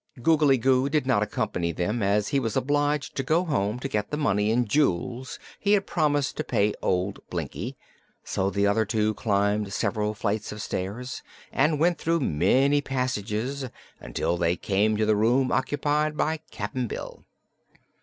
Googly Goo did not accompany them, as he was obliged to go home to get the money and jewels he had promised to pay old Blinkie, so the other two climbed several flights of stairs and went through many passages until they came to the room occupied by Cap'n Bill.